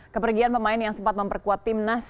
kepergian pemain yang sempat memperkuat tim nas